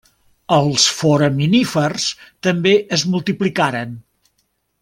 Els foraminífers també es multiplicaren.